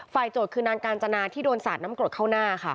โจทย์คือนางกาญจนาที่โดนสาดน้ำกรดเข้าหน้าค่ะ